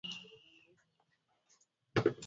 unakuja baada ya rais aliwania tena kiti hicho